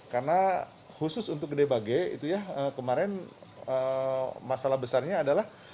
karena khusus untuk gede bage kemarin masalah besarnya adalah